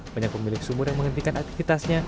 banyak pemilik sumur yang menghentikan aktivitasnya